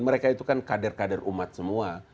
mereka itu kan kadir kadir umat semua